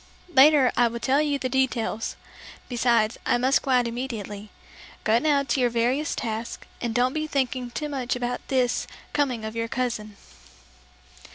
Later I will tell you the details; besides, I must go out immediately. Go now to your various tasks and don't be thinking too much about this coming of your cousin."